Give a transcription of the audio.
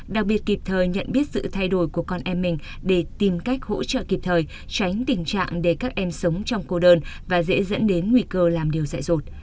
đặc biệt kịp thời nhận biết sự thay đổi của con em mình để tìm cách hỗ trợ kịp thời tránh tình trạng để các em sống trong cô đơn và dễ dẫn đến nguy cơ làm điều dạy rột